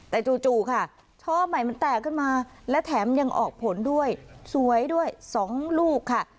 แต่จู่ค่ะช่อใหม่มันแตกขึ้นมาและแถมยังออกผลด้วยสวยด้วย๒ลูกค่ะ